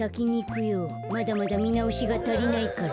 まだまだみなおしがたりないから。